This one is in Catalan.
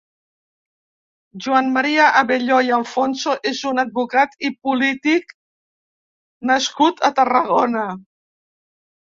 Joan Maria Abelló i Alfonso és un advocat i polític nascut a Tarragona.